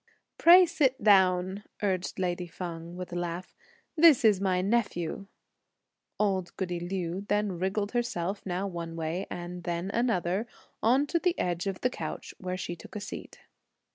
"Pray sit down," urged lady Feng, with a laugh; "this is my nephew!' Old goody Liu then wriggled herself, now one way, and then another, on to the edge of the couch, where she took a seat.